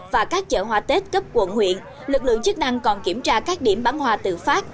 và các chợ hoa tết cấp quận huyện lực lượng chức năng còn kiểm tra các điểm bán hoa tự phát